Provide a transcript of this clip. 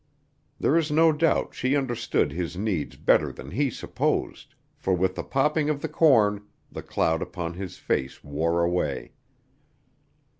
There is no doubt she understood his needs better than he supposed, for with the popping of the corn the cloud upon his face wore away.